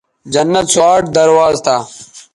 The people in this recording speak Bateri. جنت سو آٹھ درواز تھا